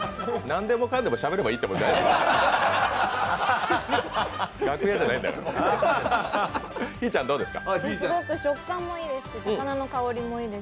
何でもかんでもしゃべればいいってものじゃない。